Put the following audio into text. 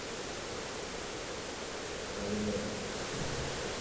mwezi agosti mwaka elfu mbili na ishirini